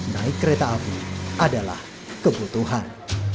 naik kereta api adalah kebutuhan